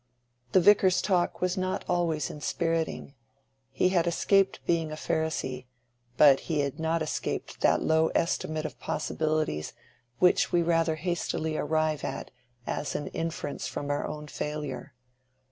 The Vicar's talk was not always inspiriting: he had escaped being a Pharisee, but he had not escaped that low estimate of possibilities which we rather hastily arrive at as an inference from our own failure.